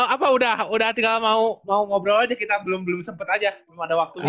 apa udah tinggal mau ngobrol aja kita belum belum sempet aja belum ada waktunya